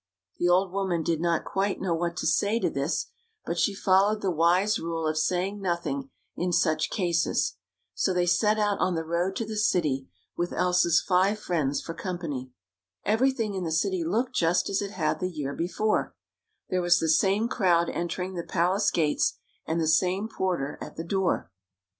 The old woman did not quite know what to say to this, but she followed the wise rule of saying nothing in such cases. So they set out on the road to the city, with Elsa's five friends for company. Everything in the city looked just as it had the year before: there was the same crowd entering the palace gates, and the same porter at the door.